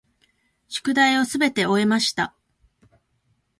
宿題をすべて終えました。